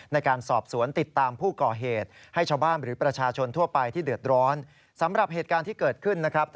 ในการสอบสวนติดตามผู้ก่อเหตุ